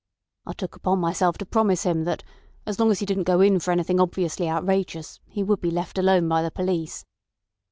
I took it upon myself to promise him that, as long as he didn't go in for anything obviously outrageous, he would be left alone by the police.